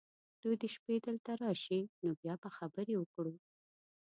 دوی دې شپې دلته راشي ، نو بیا به خبرې وکړو .